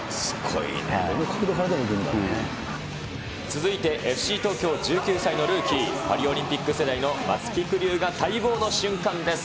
続いて、ＦＣ東京１９歳のルーキー、パリオリンピック世代の松木玖生が待望の瞬間です。